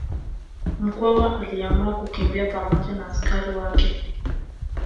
Mkwawa aliamua kukimbia pamoja na askari wake